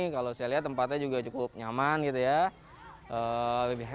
kalau saya lihat tempatnya juga cukup nyaman gitu ya